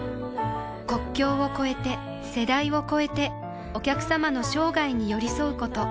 国境を超えて世代を超えてお客様の生涯に寄り添うこと